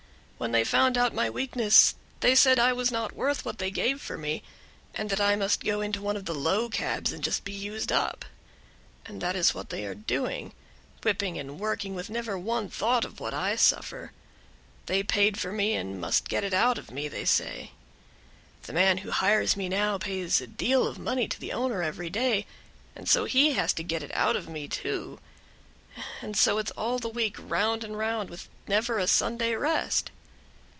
When they found out my weakness they said I was not worth what they gave for me, and that I must go into one of the low cabs, and just be used up; that is what they are doing, whipping and working with never one thought of what I suffer they paid for me, and must get it out of me, they say. The man who hires me now pays a deal of money to the owner every day, and so he has to get it out of me too; and so it's all the week round and round, with never a Sunday rest."